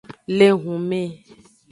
Le ehunme.